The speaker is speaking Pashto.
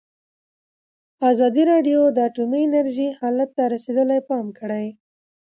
ازادي راډیو د اټومي انرژي حالت ته رسېدلي پام کړی.